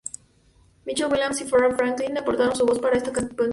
Michelle Williams y Farrah Franklin aportaron su voz para esta canción.